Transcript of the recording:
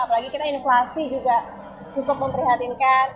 apalagi kita inflasi juga cukup memprihatinkan